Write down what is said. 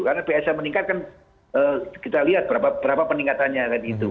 karena psa meningkat kan kita lihat berapa peningkatannya